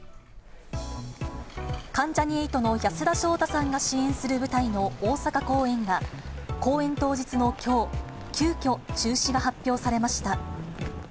関ジャニ∞の安田章大さんが主演する舞台の大阪公演が、公演当日のきょう、急きょ、中止が発表されました。